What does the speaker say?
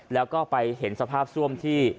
แล้วก็ไปเห็นสภาพซ่วมที่